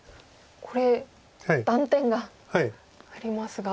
これ断点がありますが。